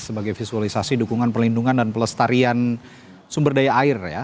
sebagai visualisasi dukungan perlindungan dan pelestarian sumber daya air ya